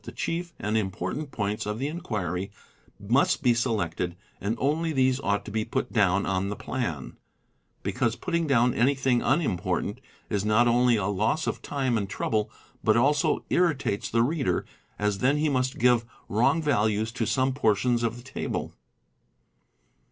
the chief — and important points of the enquiry must be selected and only these ought to be put down on the plan, because putting down anything un — important is not only a loss of time and trouble, but also irritates the reader, as then he must give wrong values to some portions of the table.